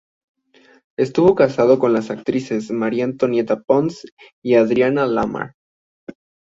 Estuvo casado con las actrices María Antonieta Pons y Adriana Lamar.